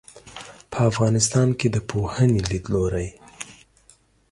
په افغانستان کې د پوهنې لیدلورى